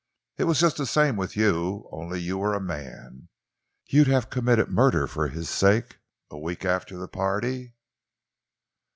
It was just the same with you, only you were a man. You'd have committed murder for his sake, a week after that party."